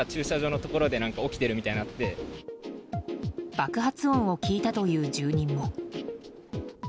爆発音を聞いたという住人も。